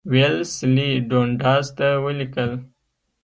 ویلسلي ډونډاس ته ولیکل.